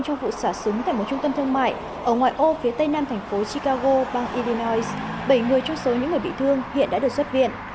trong vụ xả súng tại một trung tâm thương mại ở ngoài ô phía tây nam thành phố chicago bang idinois bảy người trong số những người bị thương hiện đã được xuất viện